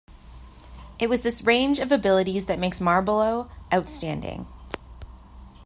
It was this range of abilities that makes Marlborough outstanding.